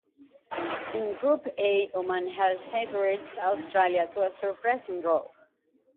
In Group A, Oman held favourites Australia to a surprising draw.